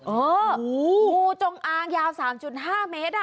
โอ้โหงูจงอ่างยาว๓๕เมตร